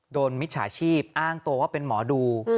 โดนมิดฉาชีพอ้างโตว่าเป็นหมอดู